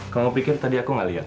kau gak pikir tadi aku gak liat